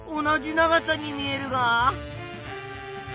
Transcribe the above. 同じ長さに見えるが。